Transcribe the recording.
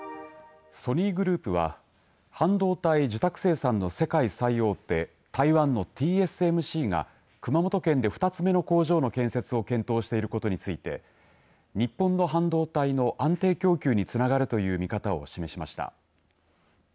ソニーグループは半導体受託生産の世界最大手台湾のＴＳＭＣが熊本県で２つ目の工場の建設を検討していることについて日本の半導体の安定供給につながるという見方を示しました。